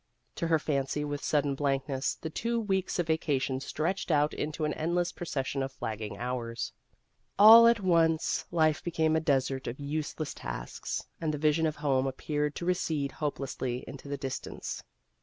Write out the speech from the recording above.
To her fancy with sudden blankness, the two weeks of vacation stretched out into an endless procession of flagging hours. All at once, life became a desert of useless tasks, and the vision of home appeared to recede hopelessly into the distance.